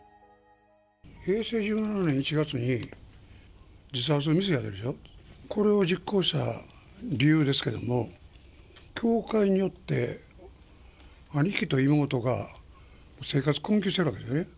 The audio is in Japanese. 平成１７年１月に、自殺未遂やるでしょ、これを実行した理由ですけども、教会によって兄貴と妹が生活困窮してるわけですよね。